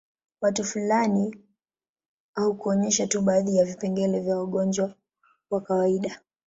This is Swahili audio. Watu fulani au kuonyesha tu baadhi ya vipengele vya ugonjwa wa kawaida